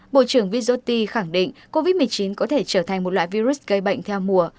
bộ trưởng visoti khẳng định covid một mươi chín có thể trở thành một loại virus gây bệnh theo mùa